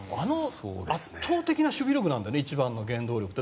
圧倒的な守備力なんだね一番の原動力って。